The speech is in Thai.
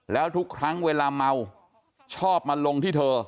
แล้วทุกครั้งเวลาเมาชอบมาลงที่เธอ